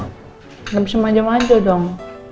nggak bisa maja maja dong